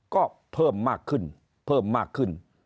ก็เพิ่มมากขึ้น